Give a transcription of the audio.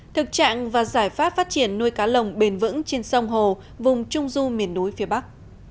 thực trạng và giải pháp phát triển nuôi cá lồng bền vững trên sông hồ vùng trung du miền núi phía bắc